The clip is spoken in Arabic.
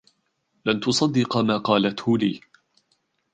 لن تصدّق ما قالته لي!